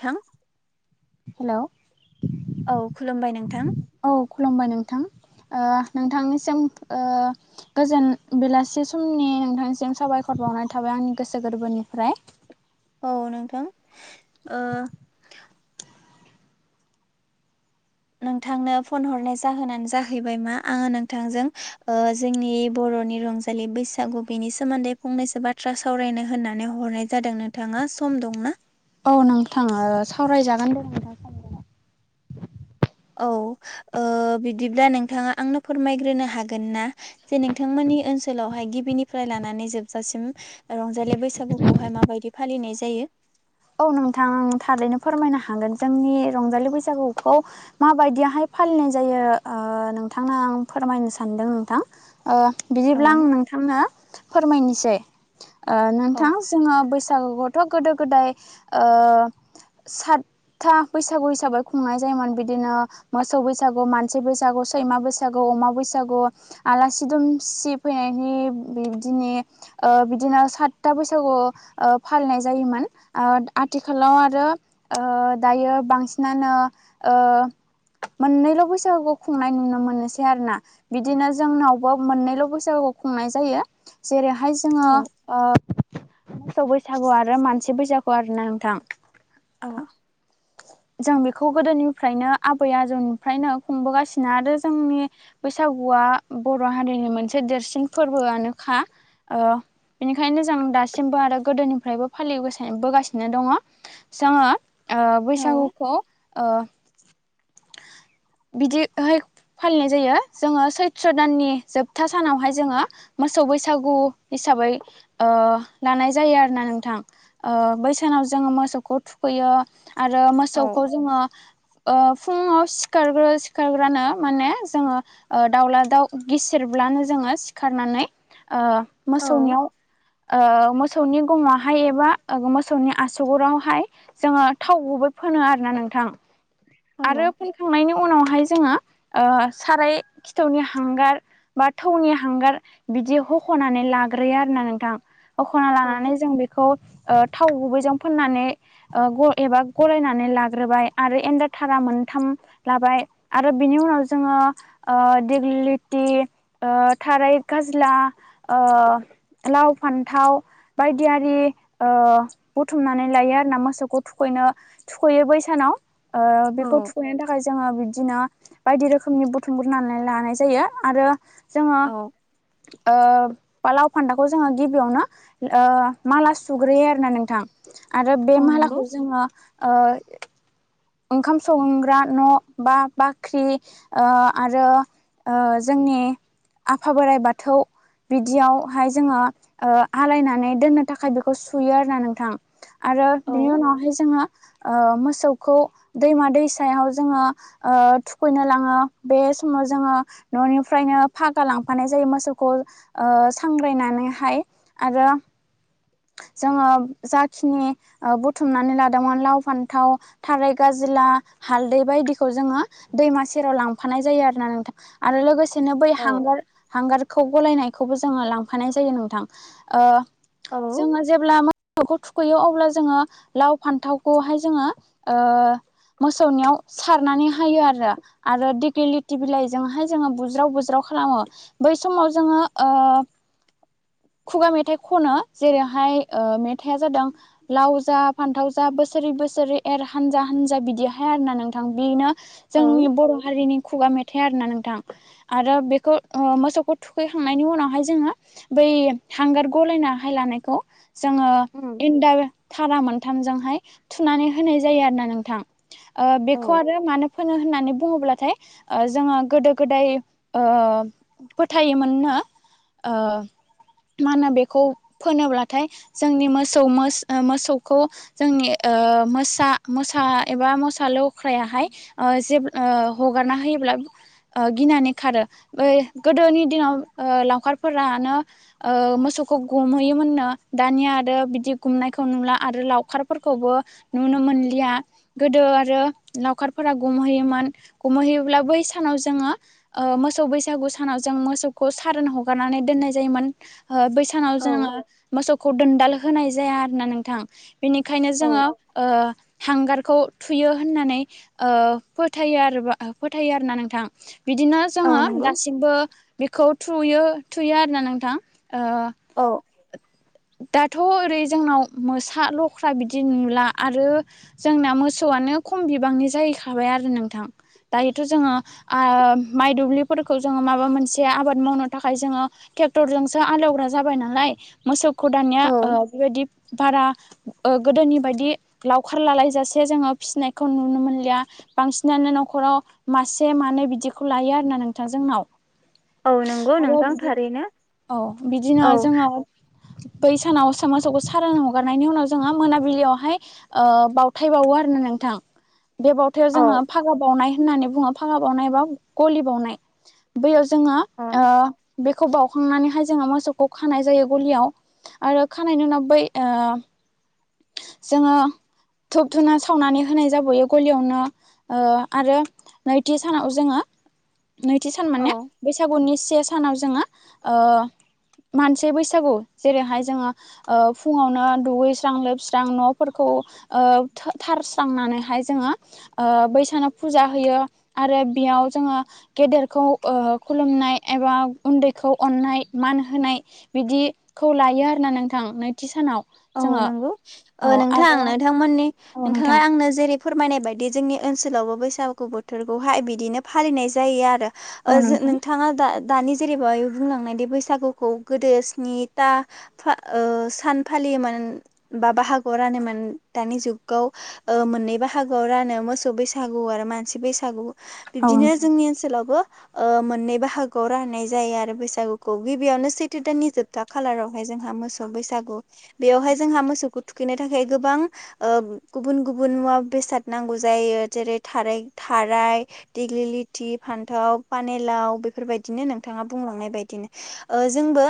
थां हेलौ औ खुलुमबाय नोंथां औ खुलुमबाय नोंथां। ओ नोंथांनिसिम ओ गोजोन बेलासि समनि नोंथांनिसिम साबायखर बाव नाय थाबाय आंनि गोसो गोरबोनिफ्राय औ नोंथां ओ नोंथांनो फन हरनाय जाहोनानो जाहैबाय मा आङो नोंथांजों जोंनि बर' बर'नि रंजालि बैसागु बेनि सोमोन्दै फंनैसो बाथ्रा सावरायनो होननानै हरनाय जादों नोंथाङा सम दंना औ नोंथाङ सावरायजागोन दे नोंथां सराया औ ़ बिदिब्ला नोंथाङा आंनो फोरमायग्रोनो हागोन ना जे नोंथांमोन नि ओनसोलावहाय गिबिनिफ्राय लानानै जोबजासिम रंजालि बैसागुखौहाय माब बायदि फालिनाय जायो इयो औ नोंथां थारैनो फोरमायनो हागोन जोंनि रंजालि बैसागुखौ माबायदियाहाय फालिनाय जायो ओ नोंथांना आं फोरमायनो सानदों नोंथां ओ औ बिदिब्ला आं नोंथांनो फोरमायनोसै ओ औ नोंथां जोङो बैसागुखौथ' गोदो गोदाय ओ सातथा बैसागु हिसाबै खुंनाय जायोमोन बिदिनो मोसौ बैसागु मानसि बैसागु सैमा बैसागु, अमा बैसागु, आलासि दुमसि फैनायनि बिबदिनो ओ बिदिनो सातथा बैसागु ओ फालिनाय जायोमोन ओ आथिखालाव आरो ओ दायो बांसिनानो ओ मोननैल' बैसागुखौ खुंनाय नुनो मोनसै आरो ना बिदिनो जोंनावबो मोननैल' बैसागुखौ खुंनाय जायो जेरैहाय जोङो औ ओ मोसौ बैसागु आरो मानसि बैसागु गु आरो ना नोंथां औ जों बेखौ गोदोनिफ्रायनो आबै आजौनिफ्रायनो खुंबोगासिनो आरो जोंनि बैसागु फोरबोआ बर' हारिनि मोनसे देरसिन फोरबोआनोखा बेनिखायनो जों दासिमबो आरो गोदोनिफ्रायबो फालिबोगासिनो दङ जोङो औ बैसागुखौ ओ [inaudible] बिदिहाय फालिनाय जायो जोङो सैत्र' दाननि जोबथा सानावहाय जोङो मोसौ बैसागु हिसाबै ओ लानाय जायो आरोना नोंथां ओ बैसानाव जोङो मोसौखौ थुखैयो आरो मोसौखौ जोङो ओ फुङाव सिखारग्रो सिखारग्रानो माने जोङो ओ दाउला दाउ गिसेरब्लानो जोङो सिखारनानै ओ औ मोसौनियाव ओ मो सौनि गंयावहाय एबा मोसौनि आसुगुरावहाय जोङो थाव गुबै फोनो आरोना नों थां आरो औ फैखांनायनि उनावहाय जोंङो ओ साराय खिथौनि हांगार बा थौनि हांगार बिदि हुखनानै लाग्रोयो आरोना नोंथां औ हुखनालानानै जों बेखौ ओ थाव गुबैजों फोननानै ओ एबा गलायनानै लाग्रोबाय आरो एन्दा थारा मोनथाम लाबाय आरो बिनि उनाव ओ जोङो दिगलिटि ओ थारै गाज्ला ओ लाव फान्थाव बायदियारि ओ बुथुमनानै लायो आरोना मोसौखौ थुखैनो थुखैयो बैसानाव ओ बेखौ औ थुखैनो थाखाय जोङो बिदिनो बायदि रोखोमनि बुथुमग्रोनानै लानाय जायो आरो जोङो औ ओ बा लाव फान्दाखौ जोङो गिबियावनो ओ माला सुग्रोयो आरो ना नोंथां आरो बे औ नंगौ मालाखौ जोङो ओ ओंखाम संग्रा न' बा बाख्रि ओ आरो ओ जों जोंनि आफा बोराइ बाथौ बिदियावहाय जोङो आलायनानै दोननो थाखाय बेखौ सुयो आरो ना नोंथां आरो औ बिनि उनावहाय जोङो ओ मोसौ खौ दैमा दैसायाव जोङो ओ थुखैनो लाङो बे समाव जोङो न'निफ्रायनो फागा लांफानाय जायो मोसौखौ ओ सांग्रायनानैहाय आरो जोङो जाखिनि बुथुमनानै लादोंमोन लाव फान्थाव थारै गाज्ल ला हालदै बायदिखौ जोङो दैमा सेराव लांफानाय जायो आरोना नोंथां आरो लोगोसे बिनो बै औ हांगार हांगारखौ गलायनायखौबो जोङो लांफानाय जायो नोंथां औ जोङो जेब्ला मोसौखौ थुखैयो अब्ला जोङो लाव फान्थावखौहाय जोङो मोसौनियाव सारनानै हायो आरो आरो दिगि लथि बिलाइजोंहाय जोङो बुज्राव बुज्राव खालामो बै समाव जोङो खुगा मेथाइ खनो जेरैहाय ओ मेथाइया जादों लाव जा फान्थाव जा बोसोर सोरै बोसोरै एर हानजा हानजा बिदिहाय आरोना नोंथां बेनो औ जोंनि बर' हारिनि खुगा मेथाइ थाइ आरोना नोंथां आरो बेखौ मोसौखौ थुखैखांनायनि उनावहाय जोङो बै हांगार गलायनाहाय लानायखौ जोङो उम इन्डार थारामोन मोनथाम जोंहाय थोनानै होनाय जायो आरोना नोंथां ओ औ बेखौ आरो मानो फोनो होननानै बुङोब्लाथाय ओ जोङो गोदो गोदाय ओ फोथायोमोननो ओ [inaudible] मा होनो बेखौ फोनोब्लाथाय जोंनि मोसौ मोसौ मोसौखौ जोंनि ओ ओ मोसा मोसा एबा मोसा लख्रायाहाय जेब्ला ओ हगारना होयोब्ला ओ गिनानै खारो बे गोदोनि दिनाव लावखारफोरानो ओ मोसौखौ गुमहैयोमोननो दानिया आरो बिदि गुमनायखौ नुला आरो लावखारफोरखौ खौबो नुनो मोनलिया गोदो आरो लावखारफोरा गुमहैयोमोन गमहैयो अब्ला बै सानाव जोङो ओ मोसौ बैसागु सानाव जों मोसौखौ सारोन हगारनानै दोननाय जायोमोन ओ बै सानाव जोङो औ मोसौखौ दोनदाल होनाय जाया आरोना नोंथां बेनिखायनो औ जोङो ओ हांगारखौ थुयो होननानै ओ फोथाय आरो फोथायो आरोना नोंथां बिदिनो औ जोङो नंगौ दासिमबो बेखौ थुयो थुयो आरोना नोंथां ओ औ दाथ' ओरै जोंनाव मोसा लख्रा बिदि नुला आरो जोंना मोसौआनो नो खम बिबांनि जाहैखाबाय आरो नोंथां दायोथ' जोङो ओ माइ दुब्लिफोरखौ जोङो माबा मोनसे आबाद मावनो थाखाय जोङो ट्रेक्टरजोंसो हाल एवग्रा जाबाय नालाय मोसौखौ दानिया औ बेबायदि बारा ओ गोदोनि बायदि लावखार लालायजासे जोङो फिसिनायखौ नुनो मोनलिया बांसिनानो न'खराव मासे मानै बिदिखौ लायो आरोना नोंथां जोंनाव औ नंगौ आरो नोंथां बिदि थारै औ बिदिनो जोङो बै सानाव सोमाव मोसौखौ सारोन हगारनायनि उनाव जोंहा मोनाबिलियावहाय बावथाय बावो आरोना नोंथां बे बावथायाव जोङो औ फागा बावनाय होननानै बुङो फागा बावनाय बा गलि बावनाय बैयाव जोङो औ ओ बेखौ बाउखांनानैहाय जोङो मोसौखौ खानाय जायो गलियाव आरो खानायनि उनाव बै ओ जोङो धुब धुना सावनानै होनाय जाबोयो गलियावनो ओ आरो नैथि सानाव जोङो [inaudible] नैथि सान माने औ बैसागुनि से सानाव जोङो ओ मानसि बैसागु जेरैहाय जोङो ओ फुङावनो दुगैस्रां लोब स्रां न'फोरखौ ओ थारस्रांनानैहाय जोङो ओ बै सानाव फुजा हो होयो आरो बेयाव जोङो गेदेरखौ ओ खुलुमनाय एबा उन्दैखौ अन नाय मान होनाय बिदिखौ लायो आरोना नोंथां नैथि सानाव औ जोङो नंगौ औ नोंथां आरो नोंथांमोननि औ नोंथां नोंथाङा आंनो जेरै फोरमायनाय बायदि जोंनि ओनसोलावबो बैसागु बोथोरखौहाय बिदिनो फालिनाय जायो आरो ओ औ जों नोंथां नोंथाङा दा दानि जेरैबा बुंलांनायदि बैसागुखौ गोदो स्निथा ओ सान फालियोमोन बा बाहागोआव रानोमोन दानि जुगाव ओ मोननै बाहागोआव रानो मोसौ बैसागु आरो मानसि बैसागु औ बिबदिनो नोंथां जोंनि ओनसोलावबो ओ मोननै बाहागोआव राननाय जायो आरो बैसागुखौ गिबियावनो सैथो दाननि जोबथा खाालारावहाय जोंहा मोसौ बैसागु बेयावहाय जोंहा मोसौखौ थुखैनो थाखाय गोबां ओ गुबुन गुबुन मुवा बेसाद नांगौ जायो जायो जेरै थाराय थाराय दिग्लिलिथि फान्थाव पानेलाव बेफोरबायदि बिनो नोंथाङा बुंलांनाय बायदिनो ओ जोंबो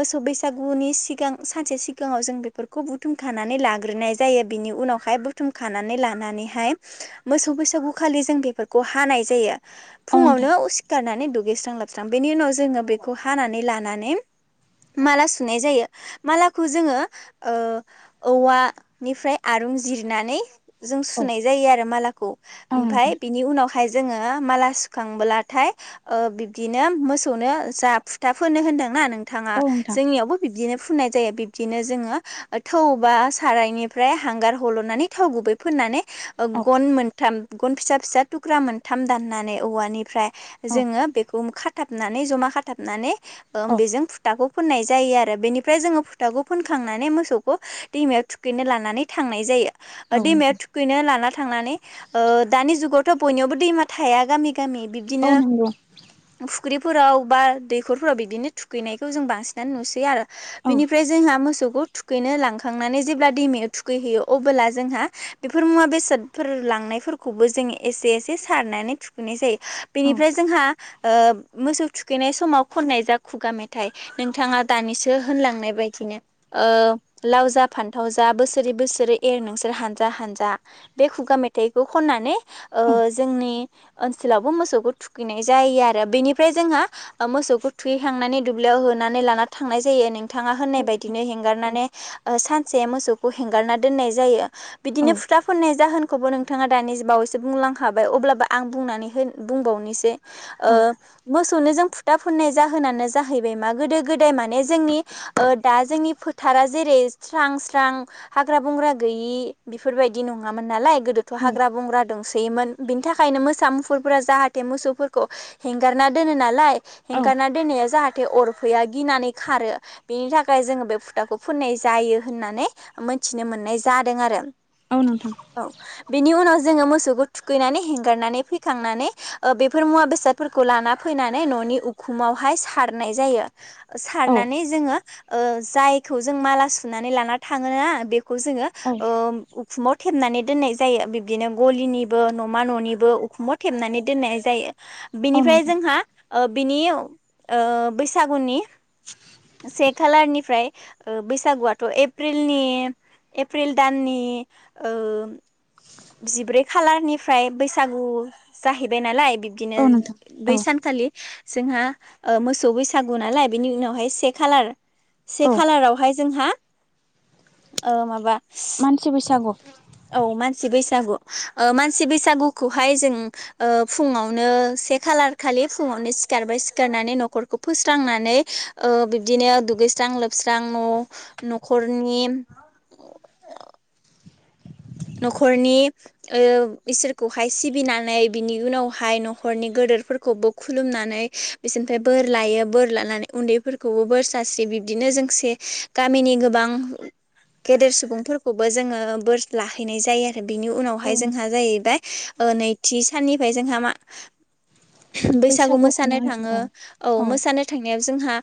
मोसौ बैसागुनि सिगां सानसे सिगां सिगाङाव जों बेफोरखौ बुथुमखानानै लाग्रोनाय जायो बिनि उनावहाय बुथुमखानानै लानानैहाय मोसौ बैसागु खालि जों बेफोरखौ हानाय जायो औ फुङावनो नोंथां उसिखारनानै दु गैस्रां लोबस्रां बेनि उनाव जोङो बेखौ हानानै लानानै माला सुनाय जायो माला खौ जोङो ओ औवानिफ्राय आरूं जिरनानै जों औ सुनाय जायो आरो मालाखौ औ ओमफाय नोंथां बिनि उनाव ओमफाय जोङो माला सुखांब्लाथाय ओ बिब्दिनो मोसौनो जा फुथा फोनो होनदोंना ना नोंथाङा औ नोंथां जोंनियावबो बिब्दिनो फुननाय जायो बिदिनो जोङो थौ बा सारायनिफ्राय हांगार हल'नानै थाव गुबै फोननानै औ गन मोनथाम गन फिसा फिसा थुख्रा मोनथाम दाननानै औवानिफ्राय औ जोङो बेखौ खाथाबनानै जमा खाथाबनानै ओ औ बेजों फुथाखौ फुननाय जायो आरो बेनिफ्राय जोङो थाखौ फुनखांनानै मोसौखौ दैमायाव थुखैनो लांनानै थांनाय जायो औ दैमायाव नोंथां थुखैनो लाना थांनानै ओ दानि जुगावथ' बयनिवबो दैमा थाया गामि गामि औ बिबदिनो नंगौ फुं फुख्रिफोराव बा दैखरफोराव बिदिनो थुखैनायखौ जों बांसिनानो नुसै आरो औ बेनिफ्राय जोंहा मोसौखौ थुखैनो लांखांनानै जेब्ला दैमायाव थुखैहयो अब्ला जोंहा बेफोर मुवा बे बेसादफोर लांनायफोरखौबो जोंङ एसे एसे सारनानै थुखैनाय जायो औ बेनिफ्राय जोंहा ओ मोसौ थुखैनाय समाव खननाय जा खुगा मेथाइ नोंथाङा दानिसो होनलांनाय बे बायदिनो ओ लाव जा फान्थाव जा बोसोरै बोसोरै एर नोंसोर हान्जा हान्जा बे खुगा मेथाइखौ खननानै ओ औ जोंनि ओनसोलावबो मोसौखौ थुखैनाय जायो आरो बेनिफ्राय जोंहा मोसौखौ थुखैखांनानै दुब्लियाव होनानै लाना थांनाय जायो नोंथां बिथाङा होननाय नोंथां बायदिनो हेंगारनानै ओ सानसे मोसौखौ हेंगारना दोननाय जायो बिदिनो औ औ फुथा फोननाय जाहोन खौबो नोंथाङा दानि बावैसो बुंलांखाबाय अब्लाबो आं बुंनानै होन बुंबावनोसै ओ औ मोसौनो जों फुथा फुननाय जाहोनानो जाहैबाय मा गोदो गोदाय माने जोंनि ओ दा जोंनि फोथारा जेरै स्रां स्रां हाग्रा बंग्रा गैयि बेफोरबाय बायदि नङामोन नालाय गोदोथ' औ हाग्रा बंग्रा दोंसोयोमोन बिनि थाखायनो मोसा मुफुरफोरा जाहाथे मोसौफोरखौ हेंगारना दोनो नालाय औ हेंगारना‌ दोननाया जाहाथे अरफैया गिनानै खारो बेनि थाखाय जोङो बे फुथाखौ फुननाय जायो होननानै मोनथिनो मोननाय जादों आरो औ नोंथां औ बेनि उनाव जोङो मोसौखौ थुखैनानै हेंगारनानै फैखांनानै ओ बेफोर मुवा बेसादफोरखौ लाना फैनानै न नि उखुमावहाय सारनाय जायो। ओ औ सारनानै जोङो ओ जायखौ जों माला सुनानै लाना थाङोना बे खौ जोङो औ ओ उखुमाव‌ थेबनानै दोननाय जायो। बिब्दिनो गलिनिबो न'मा न'निबो उखुमबाव थेबनानै दोननाय जायो। औ बिनिफ्राय नोंथां जोंहा ओ बिनि ओ बैसागुनि [inaudible] से खालारनिफ्राय ओ बैसागुआथ' एप्रिलनि एप्रिल दाननि ओ जिब्रै खालारनिफ्राय बैसागु जाहैबाय नालाय बि दिनो औ नोंथां बै औ सानखालि जोंहा ओ मोसौ बैसागु नालाय बिनि उनावहाय से खालार से औ खालारावहाय जोंहा ओ माबा मानसि बैसागु। औ मानसि बैसागु। ओह मानसि बैसागुखौहाय जों ओह फुङावनो से खालार खालि फुङावनो सिखारबाय सिखारनानै नख'रखौ फोस्रांनानै ओह बिबदिनो दुगैस्रां लोबस्रां न' नख'रनि न'खरनि ओह इसोरखौहाय सिबिनानै बिनि उनावहाय न'खरनि गेदेरफोरखौबो खुलुमनानै बिसोरनिफ्राय बोर लायो बोर लानानै उन्दैफोरखौबो बोर सास्रि बिबदि नो जोंसे गामिनि गोबां गेदेर सुबुंफोरखौबो जोङो बोर लाहैनाय जायो आरो। बिनि औ उनावहाय जोंहा जाहैबाय नैथि साननिफ्राय जोंहा मा बैसागु बैसागुखौ मा मोसानो थाङो। होनो औ मोसानो थांनायाव जोंहा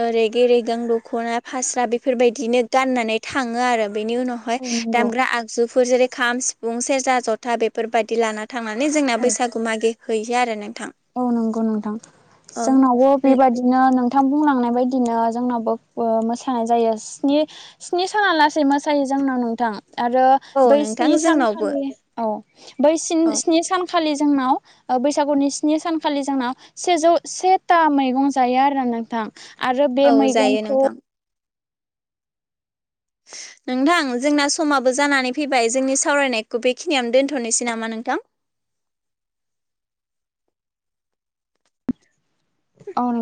ओ रेगे रेगां दख'ना फास्रा बेफोरबायदिनो गाननानै थाङो आरो। बेनि उनाव हाय औ नंगौ दामग्रा आग जुफोर जेरै खाम, सिफुं, सेरजा, जथा बेफोरबायदि लाना थांनानै जोंना औ बैसागु मागि हैयो आरो नों औ नंगौ नोंथां। जोंनावबो बेबायादिनो बिथां बुंलांनाय बायदिनो जोंनावबो ओ मोसानाय जायो स्नि स्नि साना लासै मोसायो जोंनाव नोंथां। आरो औ बै नोंथां स्नि जोंनावबो सानखालि औ बै औ स्नि-स्नि सानखालि जोंनाव बैसागुनि स्नि सानखालि जोंनाव सेजौ सेथा मैगं जायो आरोना नोंथां। आरो बे औ जायो मैगंखौ नोंथां नोंथां जोंना समाबो जानानै फैबाय जोंनि सावरायनायखौ बेखिनियावनो दोनथ'नोसै नामा नोंथां? औ नों